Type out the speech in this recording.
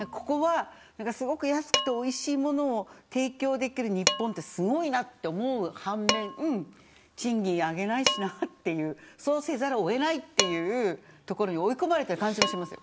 すごく安くておいしいものを提供できる日本って、すごいなって思う反面賃金、上げないしなっていうそうせざるを得ないというところに追い込まれてる感じがしますよ。